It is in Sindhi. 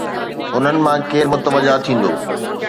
انهن مان ڪير متوجه ٿيندو؟